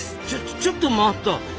ちょちょっと待った！